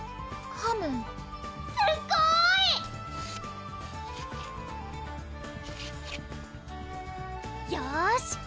ハム「すごい！」よーし！